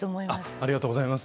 ありがとうございます。